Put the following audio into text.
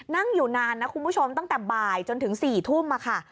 นั่งอยู่นานนะคุณผู้ชมตั้งแต่บ่ายจนถึง๔ทุ่มค่ะ